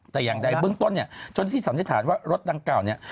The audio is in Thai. แต่อย่างใดเบื้องต้นจนที่สัมฤทธิษฐานว่ารถดังเก่า